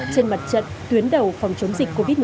trên mặt trận tuyến đầu phòng chống dịch covid một mươi chín